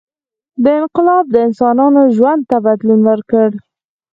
• دا انقلاب د انسانانو ژوند ته بدلون ورکړ.